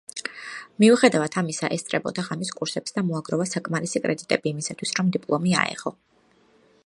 მიუხედავად ამისა, ესწრებოდა ღამის კურსებს და მოაგროვა საკმარისი კრედიტები იმისათვის, რომ დიპლომი აეღო.